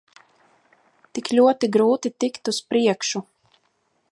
Tik ļoti grūti tikt uz priekšu.